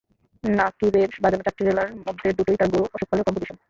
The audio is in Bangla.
নাকিবের বাজানো চারটি রেলার মধ্যে দুটিই তাঁর গুরু অশোক পালের কম্পোজিশন।